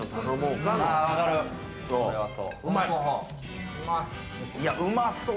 ・うまい。